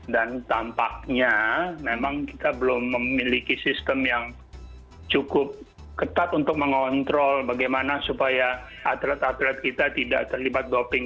dan tampaknya memang kita belum memiliki sistem yang cukup ketat untuk mengontrol bagaimana supaya atlet atlet kita tidak terlibat doping